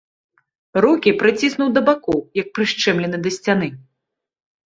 Рукі прыціснуў да бакоў, як прышчэмлены да сцяны.